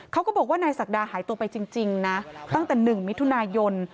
เขาก็บอกว่านายศักดาหายตัวไปจริงนะตั้งแต่๑มิถุนายน